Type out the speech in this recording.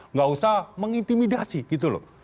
nggak usah mengintimidasi gitu loh